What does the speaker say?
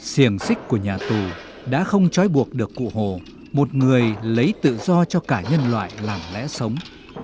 siềng xích của nhà tù đã không chói buộc được cụ hồ một người lấy tự do cho cả nhân loại làm lẽ sống